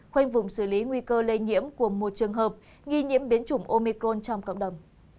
khoanh vùng xử lý nguy cơ lây nhiễm của một trường hợp nghi nhiễm biến chủng omicron trong cộng đồng